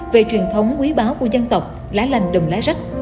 về truyền thống quý báo của dân tộc lá lành đùm lá rách